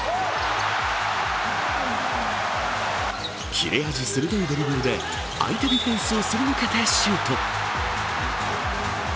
切れ味鋭いドリブルで相手ディフェンスをすり抜けてシュート。